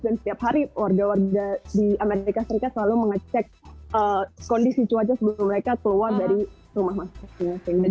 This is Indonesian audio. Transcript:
dan setiap hari warga warga di amerika serikat selalu mengecek kondisi cuaca sebelum mereka keluar dari rumah masyarakat